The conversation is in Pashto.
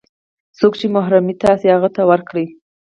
څوک چې محروموي تاسې هغو ته ورکړئ.